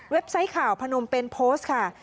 ไซต์ข่าวพนมเป็นโพสต์ค่ะ